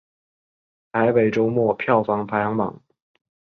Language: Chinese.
台北周末票房排行榜